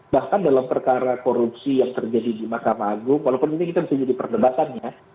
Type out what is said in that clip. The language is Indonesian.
bahkan dalam perkara korupsi yang terjadi di makam agung walaupun ini bisa jadi perdebatannya